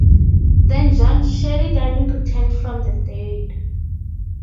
Then John Sheridan returned from the dead.